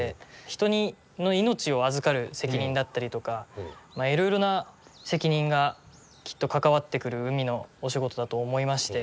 人の命を預かる責任だったりとかいろいろな責任がきっと関わってくる海のお仕事だと思いまして。